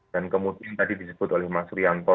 dan kemudian tadi disebut oleh mas rianto